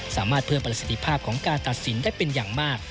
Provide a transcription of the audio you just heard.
สามารถเพิ่มประสิทธิภาพของการตัดสินได้เป็นอย่างมาก